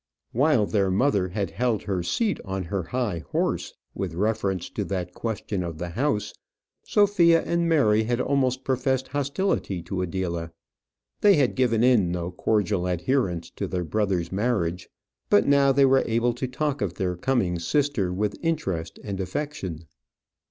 While their mother had held her seat on her high horse, with reference to that question of the house, Sophia and Mary had almost professed hostility to Adela. They had given in no cordial adherence to their brother's marriage; but now they were able to talk of their coming sister with interest and affection.